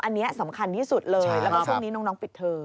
อันนี้สำคัญที่สุดเลยแล้วก็ช่วงนี้น้องปิดเทอม